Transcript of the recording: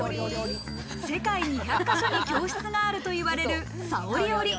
世界２００か所に教室があるといわれる、さをり織り。